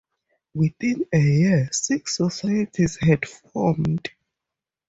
Within a year, six societies had formed.